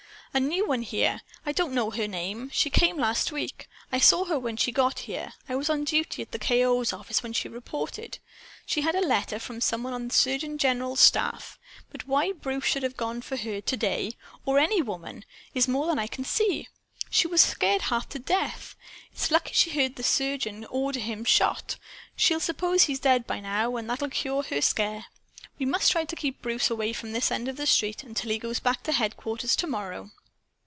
"A new one here. I don't know her name. She came last week. I saw her when she got here. I was on duty at the K.O.'s office when she reported. She had a letter from some one on the surgeon general's staff. But why Bruce should have gone for her to day or for any woman is more than I can see. She was scared half to death. It's lucky she heard the surgeon order him shot. She'll suppose he's dead, by now. And that'll cure her scare. We must try to keep Bruce away from this end of the street till he goes back to headquarters to morrow."